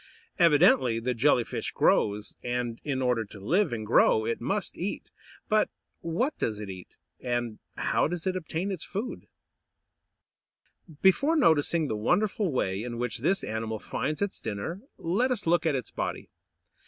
Evidently the Jelly fish grows, and, in order to live and grow, it must eat; but what does it eat, and how does it obtain its food? [Illustration: MEDUSA.] Before noticing the wonderful way in which this animal finds its dinner, let us look at its body.